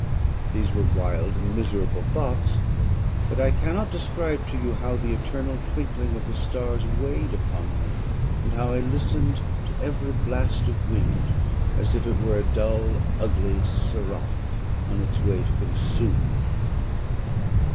These were wild and miserable thoughts; but I cannot describe to you how the eternal twinkling of the stars weighed upon me, and how I listened to every blast of wind, as if it were a dull ugly siroc on its way to consume me.